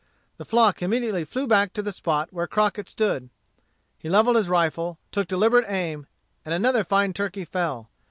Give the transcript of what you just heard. The flock immediately flew back to near the spot where Crockett stood. He levelled his rifle, took deliberate aim, and another fine turkey fell.